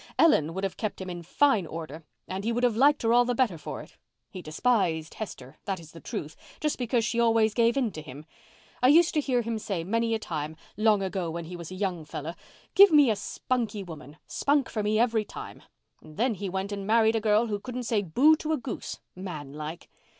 Ellen would have kept him in fine order and he would have liked her all the better for it. He despised Hester, that is the truth, just because she always gave in to him. I used to hear him say many a time, long ago when he was a young fellow 'Give me a spunky woman—spunk for me every time.' And then he went and married a girl who couldn't say boo to a goose—man like.